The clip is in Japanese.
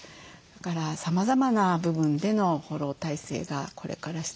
だからさまざまな部分でのフォロー体制がこれから必要になるかと思います。